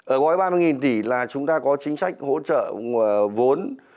ở gói ba mươi tỷ là chúng ta có chính sách hỗ trợ vốn